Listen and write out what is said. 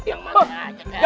yang mana aja